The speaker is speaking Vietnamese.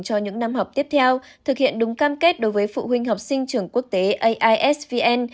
cho những năm học tiếp theo thực hiện đúng cam kết đối với phụ huynh học sinh trường quốc tế aisvn